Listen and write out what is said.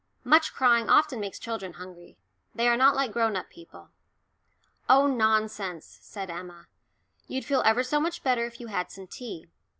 Much crying often makes children hungry; they are not like grown up people. "Oh, nonsense," said Emma. "You'd feel ever so much better if you had some tea.